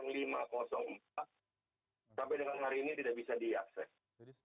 sampai dengan hari ini tidak bisa diakses